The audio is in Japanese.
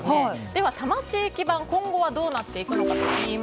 では多摩地域版今後はどうなっていくのか。